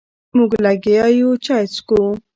مونږ لګیا یو چای څکو.